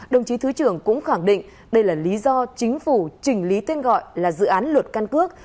đồng chí thứ trưởng cũng khẳng định đây là lý do chính phủ chỉnh lý tên gọi là dự án luật căn cước